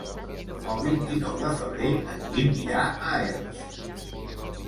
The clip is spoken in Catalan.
El vint-i-nou de febrer en Guim irà a Elx.